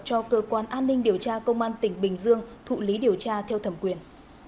cho cơ quan an ninh điều tra công an tỉnh bình dương thụ lý điều tra theo thẩm quyền